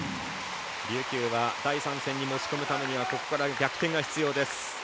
琉球は第３戦に持ち込むためにはここから逆転が必要です。